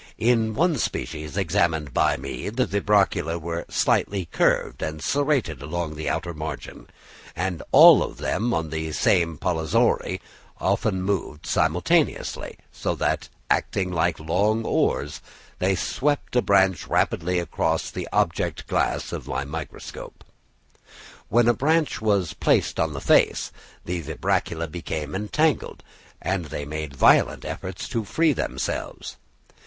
In one species examined by me the vibracula were slightly curved and serrated along the outer margin, and all of them on the same polyzoary often moved simultaneously; so that, acting like long oars, they swept a branch rapidly across the object glass of my microscope. When a branch was placed on its face, the vibracula became entangled, and they made violent efforts to free themselves.